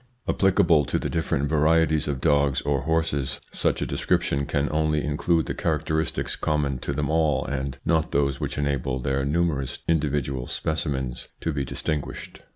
Applicable to the different varieties of dogs or horses, such a description can only include the characteristics common to them all and not those which enable their numerous individual specimens to be distinguished.